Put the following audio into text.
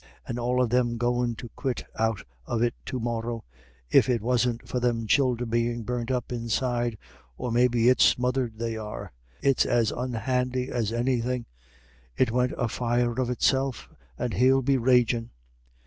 And all of them goin' to quit out of it to morra, if it wasn't for them childer bein' burnt up inside or maybe it's smothered they are. It's as unhandy as anythin'. It went afire of itself. And he'll be ragin'."